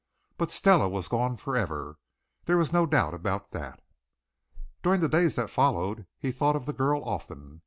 But Stella was gone forever, there was no doubt about that. During the days that followed he thought of the girl often.